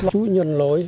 chú nhận lỗi